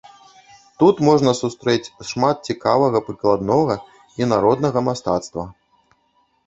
Тут можна сустрэць шмат цікавага прыкладнога і народнага мастацтва.